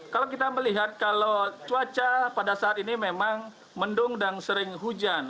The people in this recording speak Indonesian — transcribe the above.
kalau kita melihat kalau cuaca pada saat ini memang mendung dan sering hujan